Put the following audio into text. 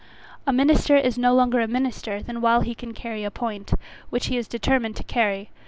A minister is no longer a minister than while he can carry a point, which he is determined to carry.